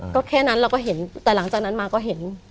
ก็แค่นั้นเราก็เห็นแต่หลังจากนั้นมาก็เห็น